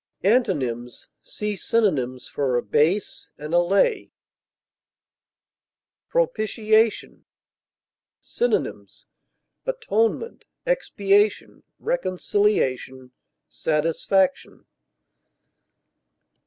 Antonyms: See synonyms for ABASE; ALLAY. PROPITIATION. Synonyms: atonement, expiation, reconciliation, satisfaction.